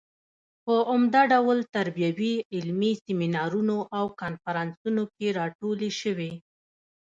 په عمده ډول تربیوي علمي سیمینارونو او کنفرانسونو کې راټولې شوې.